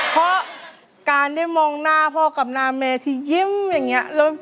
เพราะการได้มองหน้าพ่อกับหน้าแม่ที่ยิ้มอย่างนี้